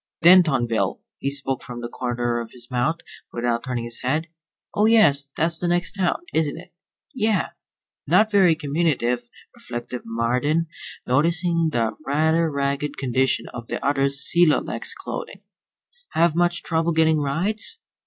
"Dentonville." He spoke from the corner of his mouth, without turning his head. "Oh, yes. That's the next town, isn't it?" "Yeah." Not very communicative, reflected Marden, noticing the rather ragged condition of the other's celo lex clothing. "Have much trouble getting rides?"